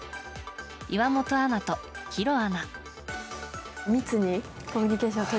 岩本アナと弘アナ。